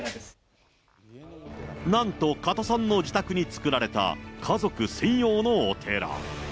なんと、カトさんの自宅に作られた家族専用のお寺。